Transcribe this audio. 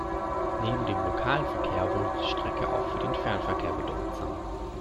Neben dem lokalen Verkehr wurde die Strecke auch für den Fernverkehr bedeutsam.